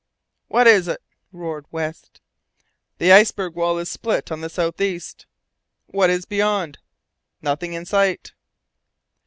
"What is it?" roared West. "The iceberg wall is split on the south east." "What is beyond?" "Nothing in sight."